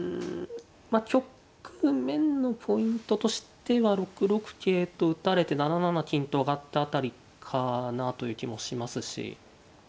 まあ局面のポイントとしては６六桂と打たれて７七金と上がった辺りかなという気もしますしま